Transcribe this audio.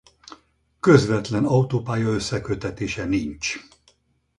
Közvetlen autópálya-összeköttetése nincs.